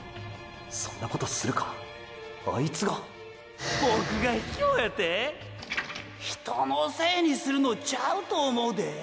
そんなことするかあいつが⁉ボクが卑怯やてぇ⁉人のせいにするのちゃうと思うでぇ？